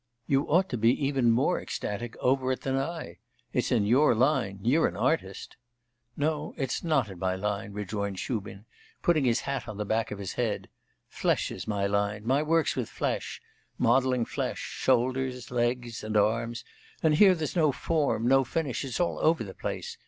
'You ought to be even more ecstatic over it than I. It's in your line: you're an artist.' 'No; it's not in my line,' rejoined Shubin, putting his hat on the back of his head. 'Flesh is my line; my work's with flesh modelling flesh, shoulders, legs, and arms, and here there's no form, no finish; it's all over the place....